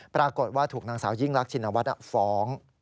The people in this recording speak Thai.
ปรากฏว่าถูกนางสาวยิ่งรักชินวัฒน์ฟ้อง